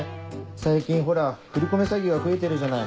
最近ほら振り込め詐欺が増えてるじゃない。